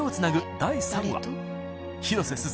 第３話広瀬すず